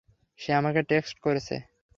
সে আমাকে টেক্সট করেছে।